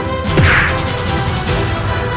kalian pikir bisa menggertakku